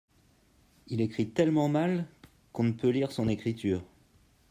Il écrit tellement mal qu'on ne peut lire son écriture.